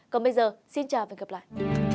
còn bây giờ xin chào và gặp lại